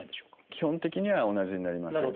基本的には同じになります。